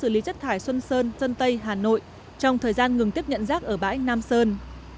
xử lý chất thải xuân sơn sơn tây hà nội trong thời gian ngừng tiếp nhận rác ở bãi nam sơn